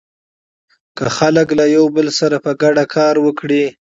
که خلک له يو بل سره په ګډه کار وکړي.